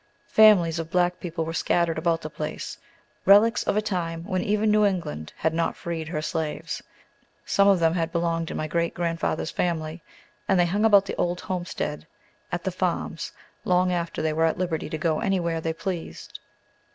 Families of black people were scattered about the place, relics of a time when even New England had not freed her slaves. Some of them had belonged in my great grandfather's family, and they hung about the old homestead at "The Farms" long after they were at liberty to go anywhere they pleased.